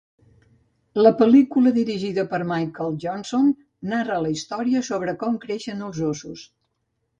La pel·lícula, dirigida per Michael Johnson, narra la història sobre com creixen els óssos.